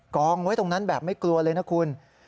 กองไว้ตรงนั้นแบบไม่กลัวเลยนะคุณ